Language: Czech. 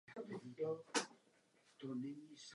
Tato úprava je provedena na celém světě ve stejný okamžik.